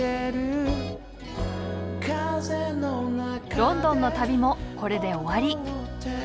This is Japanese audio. ロンドンの旅もこれで終わり。